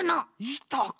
いたか。